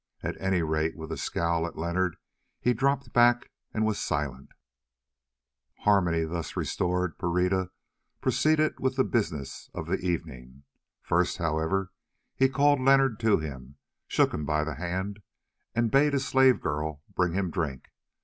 At any rate with a scowl at Leonard he dropped back and was silent. Harmony being thus restored, Pereira proceeded with the business of the evening. First, however, he called Leonard to him, shook him by the hand, and bade a slave girl bring him drink.